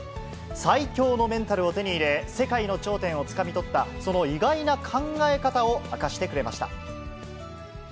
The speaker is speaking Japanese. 最強のメンタルを手に入れ、世界の頂点をつかみ取った、その意外な考え方を明かしてくれました。